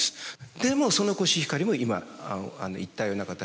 でもそのコシヒカリも今言ったような形になってくる。